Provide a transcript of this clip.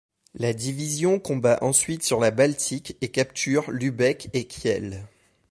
La division combat ensuite sur la Baltique et capture Lübeck et Kiel.